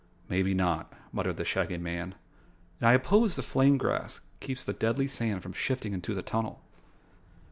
"Maybe not," muttered the Shaggy Man. "And I suppose the flame grass keeps the deadly sand from shifting into the tunnel."